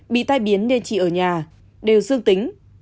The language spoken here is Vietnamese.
bị tai biến nên chị ở nhà đều dương tính